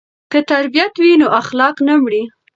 که تربیت وي نو اخلاق نه مري.